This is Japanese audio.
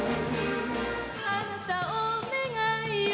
「あなたお願いよ